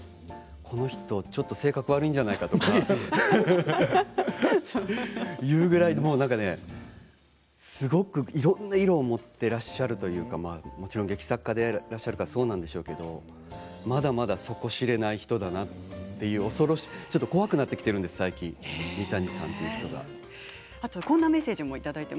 この人ちょっと性格悪いんじゃないかとかというぐらいいろんな色を持ってらっしゃるというかもちろん劇作家でいらっしゃるから、そうなんでしょうけどまだまだ底知れない人だなってちょっと怖くなってきているんこんなメッセージもいただいてます。